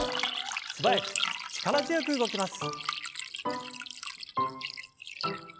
素早く力強く動きます。